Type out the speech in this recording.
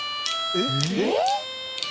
えっ！？